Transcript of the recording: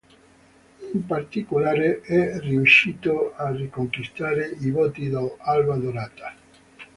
In particolare, è riuscito a riconquistare i voti del Alba Dorata.